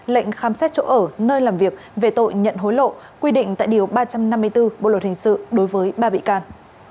lệnh khám xét chỗ ở nơi làm việc về tội nhận hối lộ quy định tại điều ba trăm năm mươi bốn bộ luật hình sự đối với ba bị can